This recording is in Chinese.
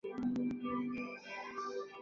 上关町是位于山口县东南部的一町。